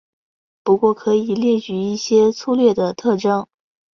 不过可以列举一些粗略的特征。